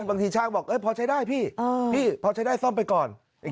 บางทีช่างบอกพอใช้ได้พี่พี่พอใช้ได้ซ่อมไปก่อน